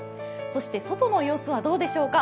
そして外の様子はどうでしょうか。